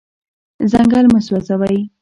ځنګل مه سوځوئ.